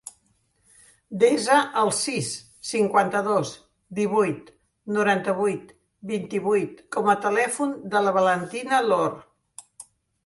Desa el sis, cinquanta-dos, divuit, noranta-vuit, vint-i-vuit com a telèfon de la Valentina Loor.